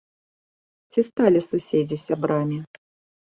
Ці сталі суседзі сябрамі?